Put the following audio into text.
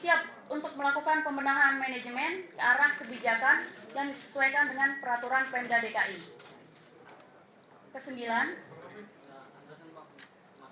dan kawan kawan semua tahu apa isinya di sana dan bagaimana kita bisa menilainya